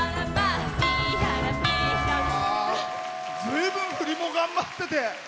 ずいぶん振りも頑張ってて。